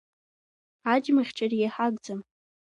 Аџьмахьчарагьы ҳагӡам.